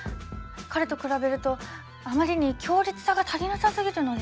彼と比べるとあまりに強烈さが足りなさすぎるのです。